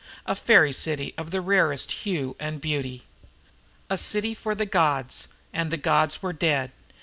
A fairy city of rarest hue and beauty. A city for the Gods and the Gods were dead.